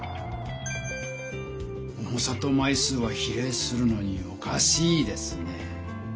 重さと枚数は比例するのにおかしいですね。